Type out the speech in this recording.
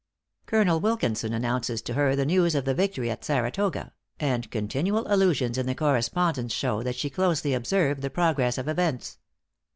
Colonel Wilkinson announces to her the news of the victory at Saratoga; and continual allusions in the correspondence show that she closely observed the progress of events.